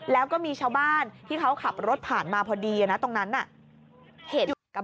แล้วก็มีชาวบ้านที่เขาขับรถผ่านมาพอดีนะตรงนั้นน่ะเห็น